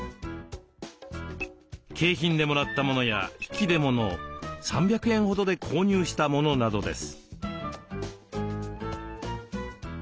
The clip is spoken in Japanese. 景品でもらったものや引き出物３００円ほどで購入したものなどです。